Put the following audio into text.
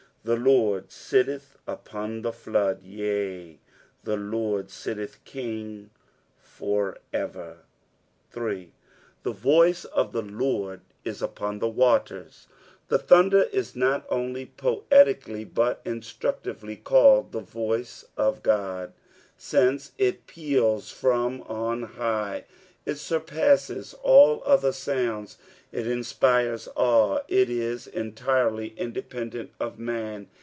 10 The Lord sitteth upon the flood ; yea, the Lord sitteth King for ever. 3. " The voux of the Lerd U vpon the water*." The thunder is not only poetically but instructively called "the voice of Qod," since it peals from on high : it surpasses all other sounds, it inspires awe, it is entirely independent of man.